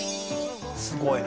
すごいな。